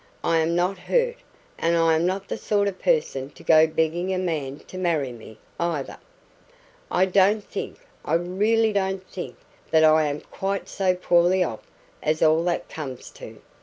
I am not hurt, and I'm not the sort of person to go begging a man to marry me, either. I don't think I really DON'T think that I am QUITE so poorly off as all that comes to."